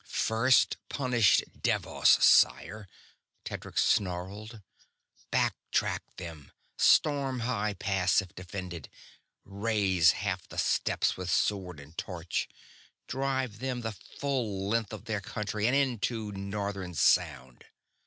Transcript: "First punish Devoss, sire!" Tedric snarled. "Back track them storm High Pass if defended raze half the steppes with sword and torch drive them the full length of their country and into Northern Sound!"